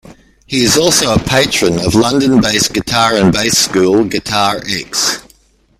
He is also a Patron of London-based guitar and bass school, Guitar-X.